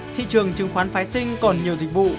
thị trường chứng khoán phái sinh còn nhiều dịch vụ